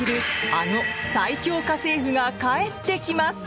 あの最恐家政夫が帰ってきます！